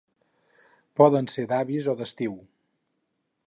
Poden ser d'avis o d'estiu.